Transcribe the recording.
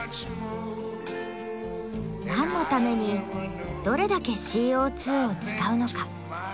「何のためにどれだけＣＯを使うのか。